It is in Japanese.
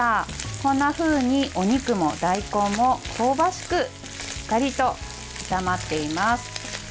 こんなふうにお肉も大根も香ばしくしっかりと炒まっています。